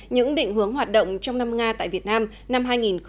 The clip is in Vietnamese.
những định hướng hoạt động trong năm nga tại việt nam năm hai nghìn hai mươi